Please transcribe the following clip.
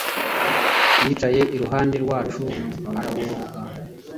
Yicaye iruhande rwacu araboroga.